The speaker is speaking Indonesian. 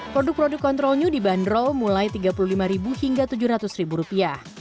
produk produk control new di bandrol mulai tiga puluh lima hingga tujuh ratus rupiah